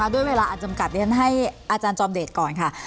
ด้วยเวลาอันจำกัดเรียนให้อาจารย์จอมเดชก่อนค่ะ